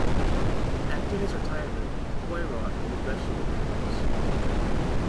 After his retirement, Poirot grew vegetable marrows.